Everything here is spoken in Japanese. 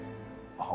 あっ。